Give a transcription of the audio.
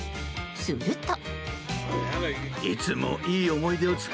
すると。